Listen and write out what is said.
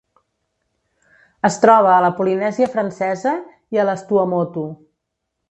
Es troba a la Polinèsia Francesa i a les Tuamotu.